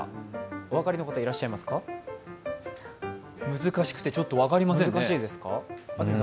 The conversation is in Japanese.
お分かりの方、いらっしゃいますか難しくてちょっと分かりませんね。